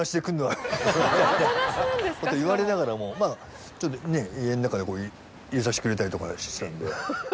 言われながらもまぁちょっとね家の中へ入れさせてくれたりとかしてたんで。